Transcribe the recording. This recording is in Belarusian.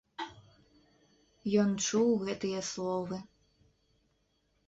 Ён чуў гэтыя словы.